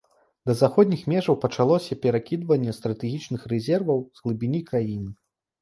Да заходніх межаў пачалося перакідванне стратэгічных рэзерваў з глыбіні краіны.